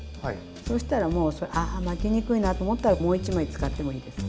そうしたらもう巻きにくいなと思ったらもう一枚使ってもいいです。